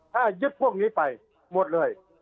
ถ้ายึดพวกนี้ไปหมดเลย